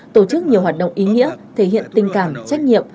tổ chức nhiều hoạt động ý nghĩa thể hiện tình cảm trách nhiệm